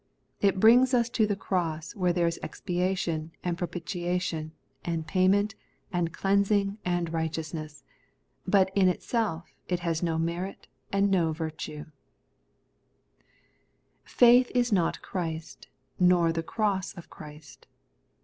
It brings us to the cross, where there is expiation, and propitiation, and payment, and cleansing, and righteousness ; but in itseK it has no merit and no virtue. Faith is not Christ, nor the cross of Christ.